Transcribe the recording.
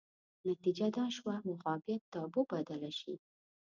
نتیجه دا شوه وهابیت تابو بدله شي